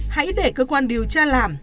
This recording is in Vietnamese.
hãy để cơ quan điều tra làm